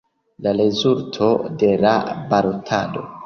La rezulto de la balotado.